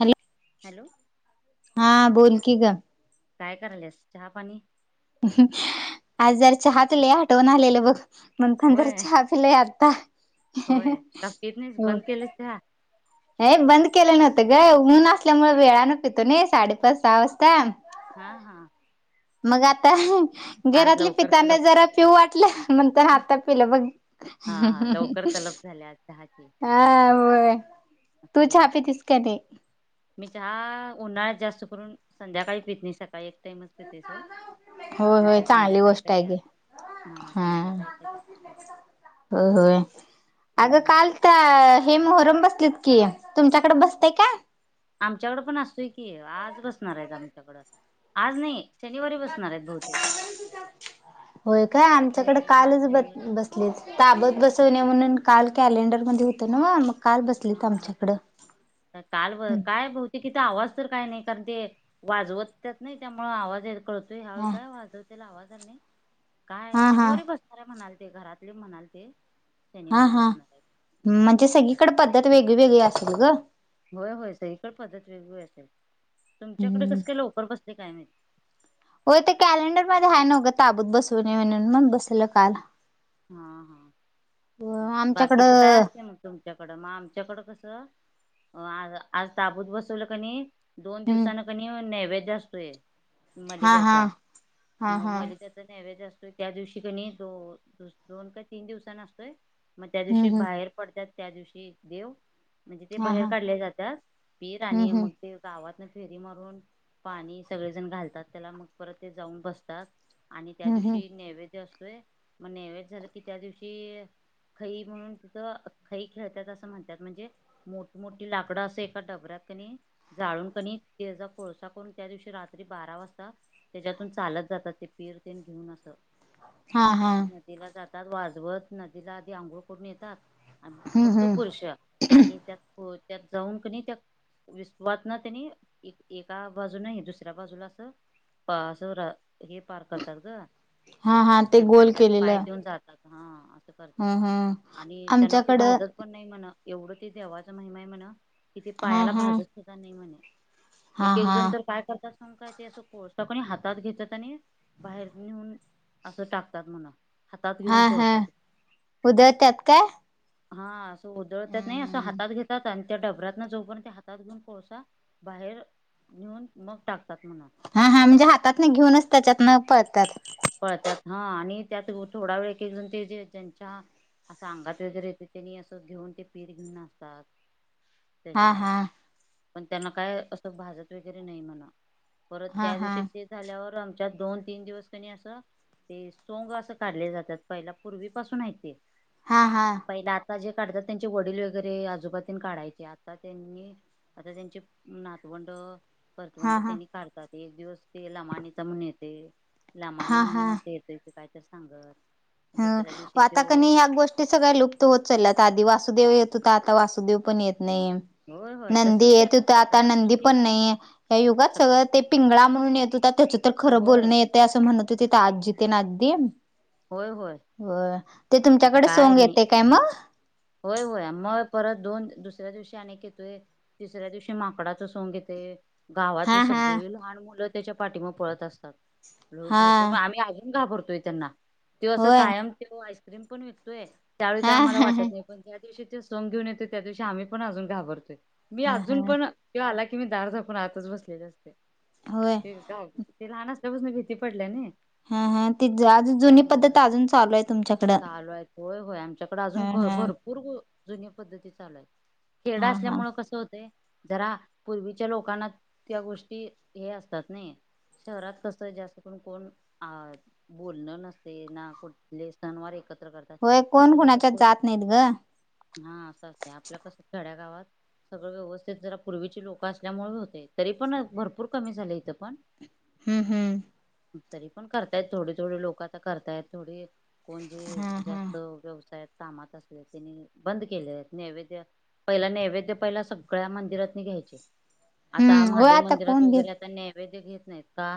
Hello hello हा बोलकी ग. काय करायलस चहा पाणी आज जर चहा पिले आठवून आलेलं मग बघ थंड होय चहा पिले. होय काकीतनीस बंद केलेस चहा नाही बंद केले नव्हतं ग ऊन असल्यामुळे वेळानं पितो ना साडेपाच सहा वाजता. हा हा. मग आता आज घरातले लवकर पिताना तलब जरा पिऊ वाटले म्हण आता पिलं बघ ह ह ह. तलप झाल्या आज चहाची ह हो असू तू दे चहा घे पितीस का नाही मी चहा उन्हाळ्यात जास्त करून संध्याकाळी पिते शकत काय एक टाइमचते ते सो होय होय नंतर चांगली संध्याकाळी गोष्ट आहे कायच्या की हा संध्या काय काय जास्त हो हो आग हम्म कालत काय हेमोहरम बसत कि तुमच्याकडे बसतय का आमच्याकडं पण असतोय की आज बसणार आहेत आमच्याकड आज नाही शनिवारी बसणार आहेत बहुतेक होय काय आमच्याकडे शनिवारी हा कालच ब शनिवारी बसली ताबत बस तर नाही म्हणून काल कॅलेंडरमध्ये होतीनव्ह हा हा काल ब काय बहतेक आवाज तर काय नाही कारण ते वाजवत नाही त्यामुळे आवाज कळतोय हाव हा काय वाजवतो आवाज आल नाही काय हा हा शनिवारी बसणार आहे म्हणाल ते घरातले म्हणाल ते हा शनिवारी हा बसणार आहे. म्हणून म्हणजे सगळीकडे पद्धत वेगळी वेगळी असेल ग होय होय सईकडे पद्धत वेगळी असेल तुमच्याकडे कस काय लवकर बस ते काय मा हो ते कॅलेंडर मध्ये आहे नवकं ताबत बसवून म्हण म बस हा हा बाकीच काय आमच्याकडं असते मग तुमच्याकडं मग आमच्याकडं कसं आज आज ताबूत बसवलं कणी दोन हम्म दिवसान क नैवेद त हा हा मलदचा हा मग हा मलदचा नैवज असतोय त्या दिवशी कानय तो दोन का तीन दिवसांना असतोय मग त्या दिवशी हम्म हम्म बाहेर पडतात त्या दिवशी देव म्हणजे ते हा बाहेर हा काढले जातात पीर हम्म आणि हम्म मग ते गावात फेरी मारून पाणी सगळे जण घालतात त्याला मग परत ते जाऊन बसतात आणि त्या हम्म हम्म दिवशी नैवेद्य असतोय मग नैवेद्य झालं की त्या दिवशी खई म्हणून तिथं खई खेळतात असं म्हणतात म्हणजे मोठमोठी लाकडं असं एका डबऱ्यात जाळून का नाई त्या कोळसा करून त्या दिवशी रात्री बारा वाजता त्याच्यातून चाल जात ते पिरते घेऊन अस हा हा वाजवत नदीला आधी आंघोळ करून येतात आणि हम्म फक्त हम्म पुरुष आणि त्यात त्यात जाऊन कणी त्या विसवात ना त्यांनी एका बाजू नाही दुसऱ्या बाजूला असं पाजुरा हे पार करतात ग हा हा ते त्या गोल खड्ड्यात पाय केलेलं देऊन जातात हा करतात हम्म हम्म आणि त्यांना ते आमच्याकडं भाजत पण नाही म्हण एवढं ते देवाचा महिमा आहे म्हण किती हा पायाला हा भाजत होता नाही म्हणे हा एक एक हा जण तर काय करत काय ते असं पता कोणी हातात घेतत आणि बाहेर नेऊन असं टाकतात म्हणा हातात हा घेऊन हा कोळसा उदळतात का हा असं उदळत नाही असं हातात घेतात आणि त्या डबर्यात ना जो पण त्या हातात घेऊन कोळसा बाहेर नेऊन मग टाकतात म्हणा हा हा म्हणजे हातात ना घेऊनच त्याच्यात ना पळतात पळत्यात हा आणि त्यात थोडा वेळ एकण ते जे ज्यांच्या असं अंगात वगैरे येत त्यांनी असं घेऊन ते पीठ घेऊन असतात हा हा पण त्यांना काय असं भाजत वगैरे नाही म्हणा परत हा त्या हा दिवशी ते झाल्यावर दोन तीन दिवस त्यांनी असं ते सोंग असं काढले जातात पहिला पूर्वीपासून आहे ते हा हा पहिला आता जे काढतात त्यांचे वडील वगैरे आजोबजीून काढायचे आता त्यांनी आता त्यांचे नातवंड हा परर्तवंड हा त्यांनी काढतात, एक दिवस ते ल मानीचा म्हण येते. लामानी हा हा म्हणून असं येतोय ते काय तर सांगत. ह दुसऱ्या दिवशी आता त्यो कनी ह्या गोष्टी सगळ्या लुप्त होत, चालत आधी वासुदेव य, तू तर आता वासुदेव पण येत नाही, होय होय नंदी तसच की येत होत आता सगळ्या नंदी गोष्टी पण नाही, या युगात सगळं ते पिंगळा म्हणून येत होता त्याच्या, तर खरं होय बोलण येते असं म्हणत होते, तर आजी तेे ना आगदी, होय होय हो ते आता तुमच्याकडे काय सोंग नाही येते काय मग होय होय मग परत दोन, दुसऱ्या दिवशी अनेक, येतोय तिसऱ्या दिवशी माकडाचा सोंग येते, गावातली हा हा सगळी लहान मुलं त्याच्या पाठीमा पळत असतात ल हा भरपूर आम्ही आज, पण घाबरतोय त्यांना तेव असं होय कायम तेव आईस्क्रीम पण विकतोय, त्यावेळी हा काय मला हा हा वाटत नाही पण ज्या दिवशी जो सं घऊन येतोय त्या दिवशी आम्हीणजून घाबरतोय, मी हा अजून हा पण तेव आला की मी दार झाकून आतच बसलेले असते. होय ते का ते लहान असल्यापासून भीती पडल्या नाही. हा हा ते त्यामु चालू आहे होय होय आमच्याकडे अजून हा हा भरपूर, जुन पद्धती चालूय खेड हा हा असल्यामुळे कसं होतय. जरा पूर्वीच्या लोकांना, त्या गोष्टी हे असतात नाही. शहरात कस जास्तून कोण अ बोलणं नसत. ते ना कुठले सणवार एकत्र, तात होय तथ कोण कोणाच्यात कस जात नाहीत ग हा असंचते आपल्या कस खड्या गावात, सगळं व्यवस्थित जरा पूर्वीची लोक असल्यामुळे होते तरी पण भरपूर कमी झाले इथं पण, हम्म हम्म तरी पण करतायत थोडे, थोडे लोक आता करतायत थोडी कोण जे हा हा जास्त व्यव कामात असले, त्यांनी बंद केले नैवेद्य पहिला नैवेद्य पहि सगळ्या मंदिरात, आता हम्म होय महादेव आता मंदिरात कोण घेत वगैरे आता, वैद घेत नाहीत का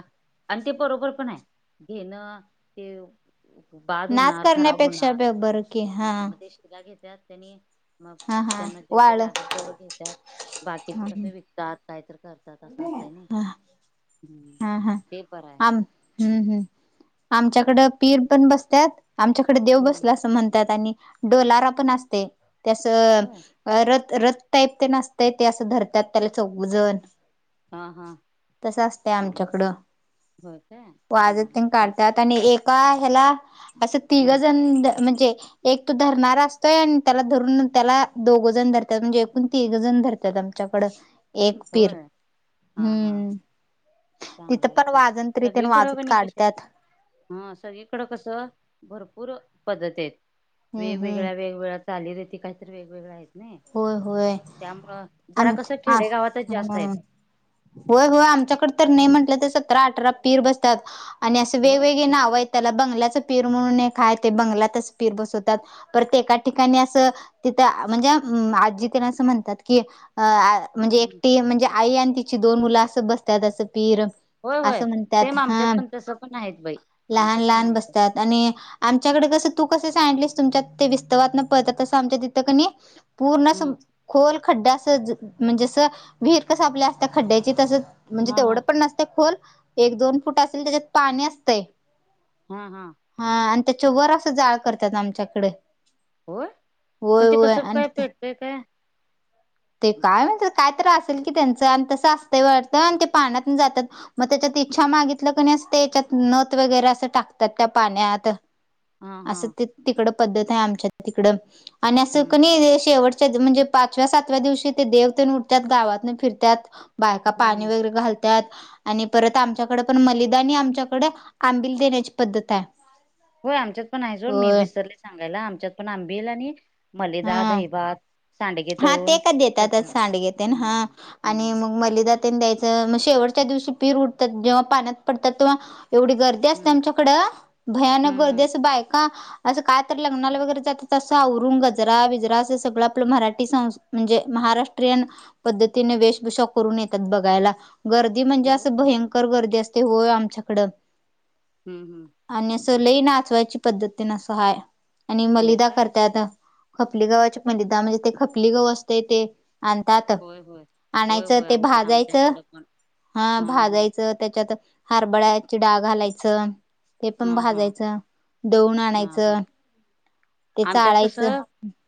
आणि ते बरोबर पण आहे. घेणं ते बाद नाच होणार खराब करण्यापेक्षा होणार ब बरं की हा म ते शिग घेतात त्यांनी, मग हा हा त्यांना जेवढं वाळ लागेल हा तेवढं घेतात बाकीचं, कस विकतात कायत, करता तस असत्य नी हा हा हा हा आम हम्म हम्म आमच्याकडं पीर पण बसत्यात, आमच्याकडे देव हम्म बसला असं म्हणतात, आणि डोलारा पण असते. त्यासं होय रत रथ टाईप ते नसतय. ते असं धरतात त्याला चौघजण, हा हा ते आमच्याकडं होय काय हा वाजत हा सांग काढतात, आणि एका ह्याला असं तिघ हम्म जण म्हणजे, एक तो धरणार असतोय, आणि त्याला धरून त्याला दोघं जण धरतात म्हणजे एकूण तीघ जण धरतात. आमच्याकड एक पीर होय हा हा हम्म, तिथं चांगलाय पण की वाजन तरीितन सगळीकडं वाजत कणी कशी आहेत काढतात. हा सगळीकडं कस, भरपूर पद्धत आहेत हम्म हम्म वेगवेगळ्या, वेगवेगळ्या चाली रीती काहीतरी वेगवेगळ्या आहेत. नाही होय होय त्यामुळं जरा आम कस आ खेडेगावात, हम्म होय होय आमच्याकड तर नाही म्हटलं तर सतरा अठरा पीर बसतात, आणि असे हो वेगवेगळे नाव आहेत. त्याला बंगल्याच पीर म्हणून हे खाय ते बंगलातच पीर बसवतात परत एका ठिकाणी अस, म्हणजे आजी त्याला असं म्हणतात की, अ म्हणजे एकटी म्हणजे आई आणि तिची दोन मुलं असं बसतात असं पीर होय होय असं म्हणतात सेम आमच्यात ह पण तसं पण आहेत बाई लहान आमच्यात पण लहान आहेत बसतात, आणि आमच्याकडे कस तू स त विस्तव त आमच्या तिथ पूर्ण, हम्म खड्ड्या अस म्हणजे जसं विहीर कस आपल्या असत खड्ड्याची तसं म्हणजे हा हा तेवढं पण नसते खोल, एक दोन फुट असेल त्याच्यात पाणी असतंय हा हा त्याच्या वर अस जाळ करतात आमच्याकडे होय पण होय ते होय कसं आणि काय पेटतय काय ते काय म्हण काय तर असेल की त्यांचं आणि तसं असतं वाटतं आणि ते पाहण्यात जातात मग त्याच्यात इच्छा मागितलं कणीं त्याच्यात नत वगैरे असं टाकतात त्या पाण्यात हा हा असं तिकडं पद्धत आहे आमच्या तिकडं आणि असं हम्म हम्म कणी शेवट म्हणजे पाचव्या सातव्या दिवशी ते देव तेन उठत्यात गावातन फिरत्यात बायका पाणी हम्म वगैरे घालतात आणि परत आमच्याकड पण मलिदा आमच्याकड आंबिल देण्याची पद्धत आहे होय आमच्यात पण आहे सोड मी होय विसरले सांगायला आमच्यात पण आंबिल आणि मलिदा हा दही भात हा ते का देतातच सांडगे तेन हा हम्म आणि हम्म मग मलिदा द्यायचं मग शेवटच्या दिवशी पीर उठतात जेव्हा पाण्यात पडतात तेव्हा एवढी गर्दी असते हम्म आमच्याकडं भयानक हम्म गर्दी हम्म अस बायका असं काय तर लग्नाला वगैरे जातात असं आवरुून गजरा बिजरा असं सगळं आपलं मराठी म्हणजे महाराष्ट्रीयन पद्धतीने वेशभूषा करून येतात बघायला गर्दी म्हणजे होय असं भयंकर गर्दी असते हो आमच्याकड हम्म हम्म स लई नाचवायची पद्धतीन अस हा आणि होय मलिदा काय करतत खपली गव्हाचा मलिदा म्हणजे ते खपलीगाव असतें ते आणितात होय होय होय आणायचं होय ते आमच्यात आमच्या भाजायचं इकडं पण हा भाजायचं त्याच्यात हरबळ्याची डाळ घालायचं ते पण हा हा भाजायचं दळून हा हा आणायचं ते आमच्यात चाळायचं कसं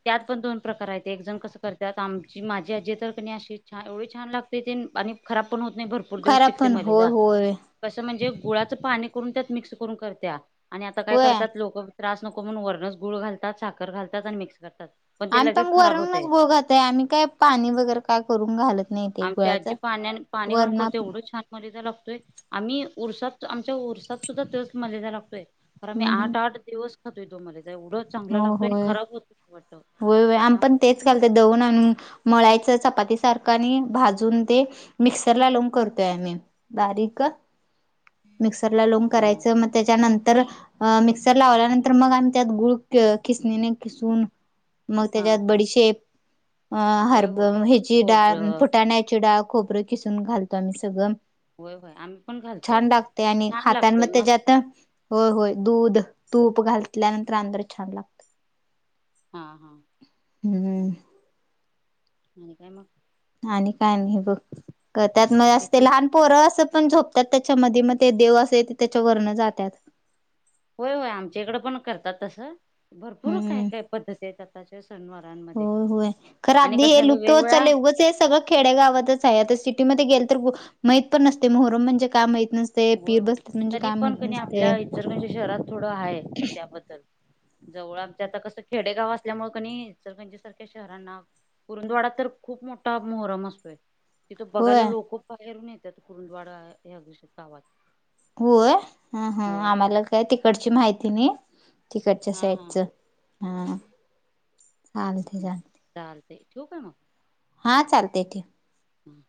त्यात पण दोन प्रकार आहेत एक जण कस करतात आमची माझी आजी तर क अशी छान एवढी छान लागते ते आणि खराब पण होत नाही भरपूर दिवस खरा टिकते पण होय मलिदा होय कसं म्हणजे गुळाचं पाणी करून त्यात मिक्स कर करत्या आणि आता काय होय करतात लोक त्रास नको म्हणून वरणच गूळ घालतात साखर घालतात आणि मिक्स करतात ते आम्ही पण लगेच खराब होतय वरूनच बोघातय आम्ही काय पाणी वगैरे काय करून घालत नाही ते आमच्या गुळाच आजी पाण्या पाणी घालून वरण करते हम्म एवढंच छानमध्ये लागतोय आम्ही उरसात आमच्या उरसात सुद्धा तेच मलिदा लागतोय बर मी हम्म आठ आठ दिवस खातोय तो मलि हो होय होय होय आम पण त्यामुळे तेच घालत दळून आणून मळायचं चपाती सारख आणि भाजून ते मिक्सर ला लावून करतोय आम्ही बारीक मिक्सरला लावून हा हा करायचं मग त्याच्यानंतर मिक्सर लावल्यानंतर मग आम्ही त्यात गुळ किसनेने किसून मग हा त्याच्यात हा बडीशेप अ होय हरब होय ह्याची डाळ खोबरं फुटाण्याची डाळ खोबरं किसून घालतो आम्ही सगळं होय होय आम्ही पण घालतोय छान लागते आणि छान खाताना लागतय मग मस्त त्याचात लागत होय होय दूध तूप घातल्यानंतर आणि जरा छान लागत हा हा हम्म आणि काय मग आणि काय नाही बघ त्यात मग अस तब्येत ते ठीक लहान पोरं असं पण झोपतात त्याच्यामध्ये मग ते देव असे ते त्याच्या वरन जातात होय होय आमच्याकडं पण करतात तसं भरपूर काय हम्म. काय पद्धती आहेत आताच्या सनवारांमध्ये होय आणि कसं झालं वेगवेगळा- सगं खेड्या गावातच आहे आता सिटीमध्येध्ये गेल तर माहित पण नसतय मोहरम म्हणजे काय माहीत होय होय तरी पण कणी नसते. आपल्या इचलकरंजी शहरात थोडं आहे त्याबद्दल जवळ आमच्या आता कसं खेडेगाव असल्यामुळे कणी इंचलकरंजी सारख्या शहरांना कुरूंदवाडात तर खूप मोठा मोहरम असतोय तिथं बघायला होय लोक बाहेरून येतात कुरुंदवाडा हे अगिश गावात होय ह हा होय होय आम्हाला काय तिकडची माहिती नाही तिकटच्या स हा हा याच हा चालते चालते चाल ते ठेव का म हा चालते ते हम्म